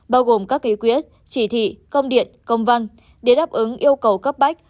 bao gồm các ký quyết chỉ thị công điện công văn để đáp ứng yêu cầu cấp bách